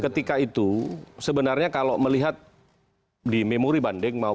ketika itu sebenarnya kalau melihat di memori banding